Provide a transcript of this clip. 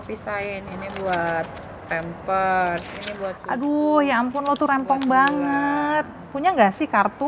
pisahin ini buat pemper ini buat aduh ya ampun lo tuh rempong banget punya nggak sih kartu